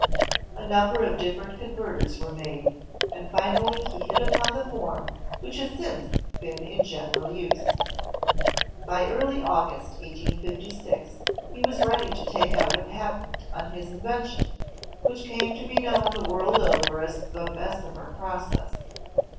A number of different converters were made, and finally he hit upon the form which has since been in general use. By early August, 1856, he was ready to take out a patent on his invention, which came to be known the world over as the Bessemer Process."